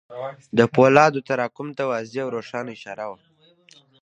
د پولادو تراکم ته واضح او روښانه اشاره وه.